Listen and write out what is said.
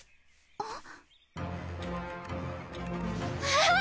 あっ。